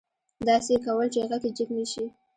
داسې يې کول چې غږ يې جګ نه شي.